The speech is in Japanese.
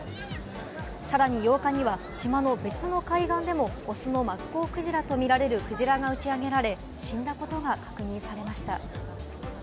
さらに８日には島の別の海岸でも雄のマッコウクジラとみられるクジラが打ちあげられ、死んだことが確認されました。